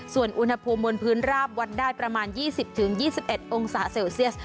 ส่วนอุณหภูมิบนพื้นราบวันได้ประมาณยี่สิบถึงยี่สิบเอ็ดองศาเซลเซียส